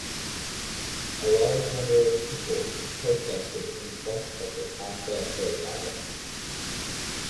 A large number of people protested in front of the Casa Rosada.